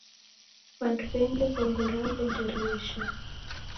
W'andu wengi wongo rawo nderighesha.